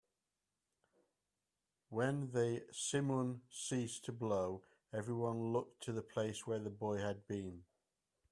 When the simum ceased to blow, everyone looked to the place where the boy had been.